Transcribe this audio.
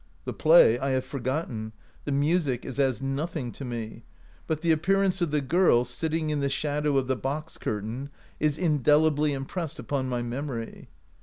The play I have forgotten ; the music is as noth ing to me ; but the appearance of the girl, sitting in the shadow of the box curtain, is indelibly impressed upon my memory.